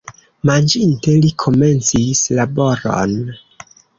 Manĝinte, li komencis laboron.